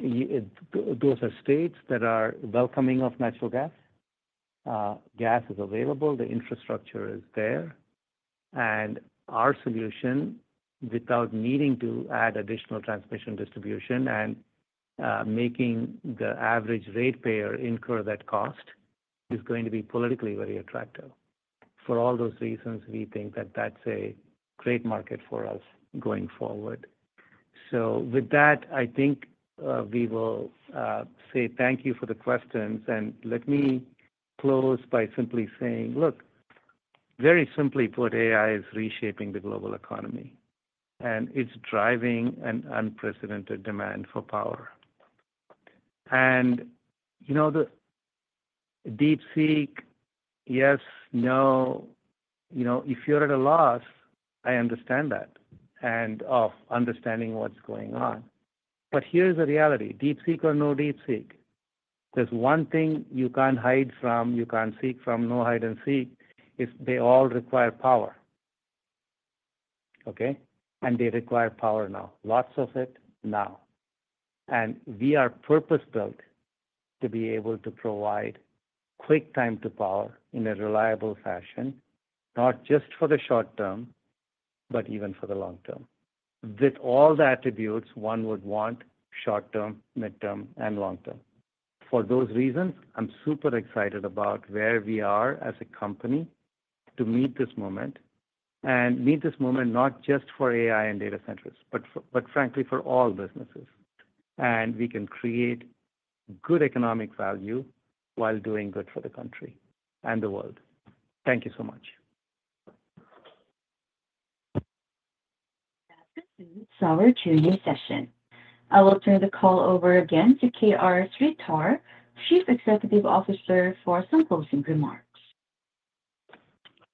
are states that are welcoming of natural gas. Gas is available. The infrastructure is there. And our solution, without needing to add additional transmission distribution and making the average ratepayer incur that cost, is going to be politically very attractive. For all those reasons, we think that that's a great market for us going forward. So with that, I think we will say thank you for the questions. And let me close by simply saying, look, very simply put, AI is reshaping the global economy. And it's driving an unprecedented demand for power. And DeepSeek, yes, no. If you're at a loss, I understand that and lack of understanding what's going on. But here's the reality. DeepSeek or no DeepSeek, there's one thing you can't hide from, you can't seek from, no hide and seek, is they all require power. Okay? And they require power now. Lots of it now. And we are purpose-built to be able to provide quick time to power in a reliable fashion, not just for the short term, but even for the long term. With all the attributes, one would want short term, midterm, and long term. For those reasons, I'm super excited about where we are as a company to meet this moment. And meet this moment not just for AI and data centers, but frankly, for all businesses. And we can create good economic value while doing good for the country and the world. Thank you so much. That concludes our Q&A session. I will turn the call over again to K.R. Sridhar, Chief Executive Officer, for some closing remarks.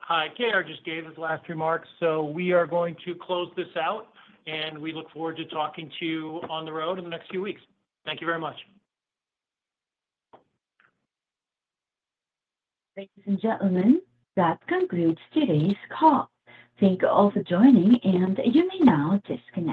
Hi. K.R. just gave his last remarks. So we are going to close this out. And we look forward to talking to you on the road in the next few weeks. Thank you very much. Ladies and gentlemen, that concludes today's call. Thank you all for joining, and you may now disconnect.